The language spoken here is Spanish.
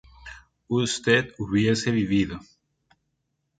usted hubiese vivido